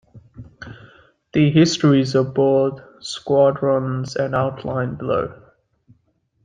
The histories of both squadrons are outlined below.